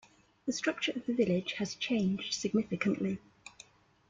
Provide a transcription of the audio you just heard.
The structure of the village has changed significantly.